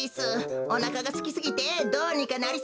おなかがすきすぎてどうにかなりそうです。